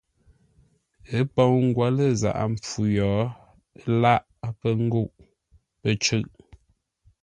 Ə́ pou ngwǒ lə́ zaghʼə mpfu yo, ə lâʼ pə̂ ngúʼ; pə́ cʉ̂ʼ.